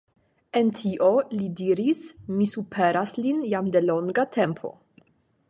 En tio, li diris, mi superas lin jam de longa tempo.